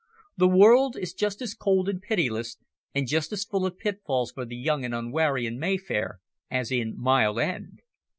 The world is just as cold and pitiless and just as full of pitfalls for the young and unwary in Mayfair as in Mile End.